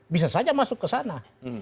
bisa saja masuk ke sana